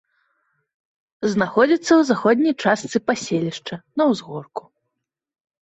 Знаходзіцца ў заходняй частцы паселішча, на ўзгорку.